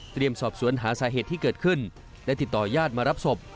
สอบสวนหาสาเหตุที่เกิดขึ้นและติดต่อยาดมารับศพ